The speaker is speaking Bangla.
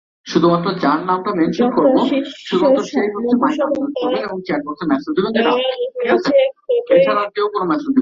যত শীঘ্র মধুসূদন তা বোঝে ততই সকল পক্ষের মঙ্গল।